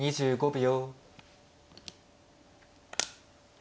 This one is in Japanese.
２５秒。